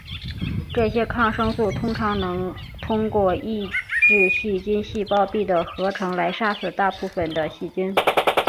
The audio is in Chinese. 这些抗生素通常能通过抑制细菌细胞壁的合成来杀死大部分的细菌。